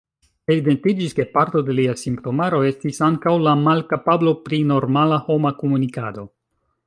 Evidentiĝis, ke parto de lia simptomaro estis ankaŭ la malkapablo pri normala homa komunikado.